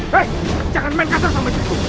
hei jangan main kater sama istriku